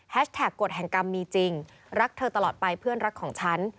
กฎแห่งกรรมมีจริงรักเธอตลอดไปเพื่อนรักของฉัน